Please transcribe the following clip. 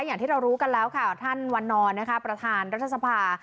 อย่างที่เรารู้กันแล้วค่ะท่านวันนอนนะคะประธานรัฐสภา